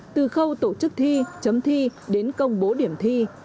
từ khâu tổ chức thi chấm thi đến công bố điểm thi